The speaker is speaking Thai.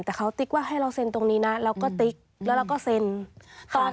แต่เขาติ๊กว่าให้เราเซ็นตรงนี้นะเราก็ติ๊กแล้วเราก็เซ็นตอน